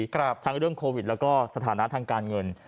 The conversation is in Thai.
ทั้งเรื่องโควิดแล้วก็สถานะทางการเงิน